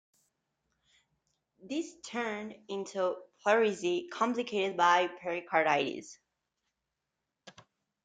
This turned into pleurisy complicated by pericarditis.